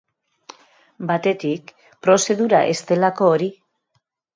Batetik, prozedura ez delako hori.